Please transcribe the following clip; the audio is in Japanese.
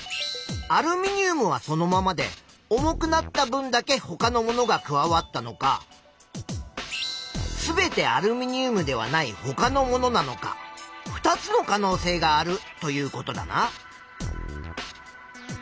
アルミニウムはそのままで重くなった分だけほかのものが加わったのかすべてアルミニウムではないほかのものなのか２つの可能性があるということだな。